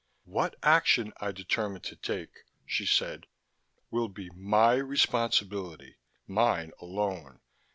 "What action I determine to take," she said, "will be my responsibility. Mine alone.